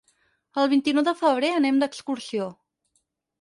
El vint-i-nou de febrer anem d'excursió.